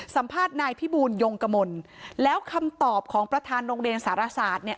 สัมภาษณ์นายพิบูลยงกมลแล้วคำตอบของประธานโรงเรียนสารศาสตร์เนี่ย